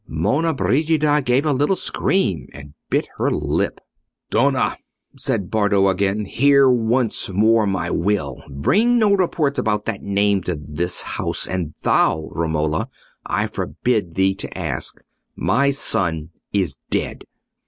Monna Brigida gave a little scream, and bit her lip. "Donna!" said Bardo, again, "hear once more my will. Bring no reports about that name to this house; and thou, Romola, I forbid thee to ask. My son is dead."